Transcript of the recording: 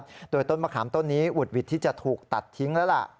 โดยต้นมะขามต้นนี้อุดหวิดที่จะถูกตัดทิ้งแล้วล่ะ